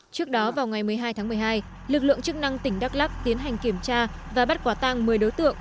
trước đó vào ngày một mươi hai tháng một mươi hai lực lượng chức năng tỉnh đắk lắc tiến hành kiểm tra và bắt quả tăng một mươi đối tượng